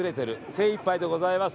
精いっぱいでございます。